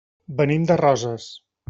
Venim de Roses.